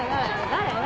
誰？